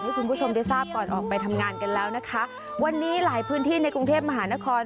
คุณผู้ชมได้ทราบก่อนออกไปทำงานกันแล้วนะคะวันนี้หลายพื้นที่ในกรุงเทพมหานคร